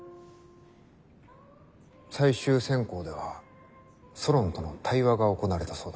最終選考ではソロンとの対話が行われたそうだ。